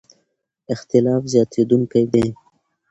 اختلاف زیاتېدونکی دی.